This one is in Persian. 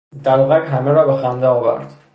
دلقک همه را به خنده آورد.